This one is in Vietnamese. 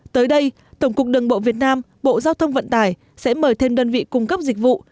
tới đây tổng cục đường bộ việt nam bộ giao thông vận tải sẽ mời thêm đơn vị cung cấp dịch vụ